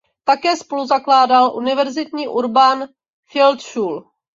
Také spoluzakládal univerzitní Urban Field School.